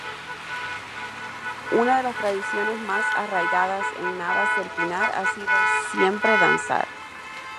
Una de las tradiciones más arraigadas en Navas del Pinar ha sido siempre danzar.